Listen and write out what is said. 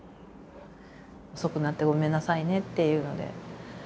「遅くなってごめんなさいね」っていうので。